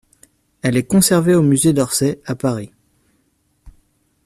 Elle est conservée au musée d'Orsay, à Paris.